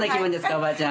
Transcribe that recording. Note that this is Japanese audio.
おばあちゃん。